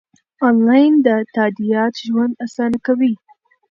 انلاین تادیات ژوند اسانه کوي.